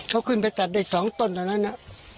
เขาขึ้นไปตัดได้สองต้นตอนนั้นน่ะ